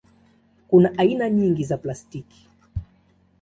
Kuna aina nyingi za plastiki.